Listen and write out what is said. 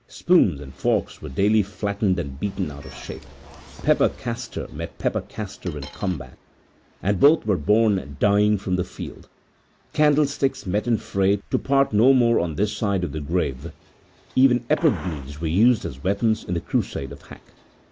Spoons and forks were daily flattened and beaten out of shape; pepper castor met pepper castor in combat, and both were borne dying from the field; candlesticks met in fray to part no more on this side of the grave; even epergnes were used as weapons in the crusade of hack.